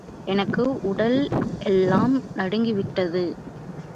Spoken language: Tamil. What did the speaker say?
எனக்கு உடல் எல்லாம் நடுங்கிவிட்டது.